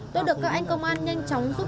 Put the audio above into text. tôi được các anh công an nhanh chóng giúp